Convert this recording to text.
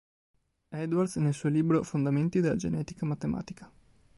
Edwards nel suo libro "Fondamenti della genetica matematica".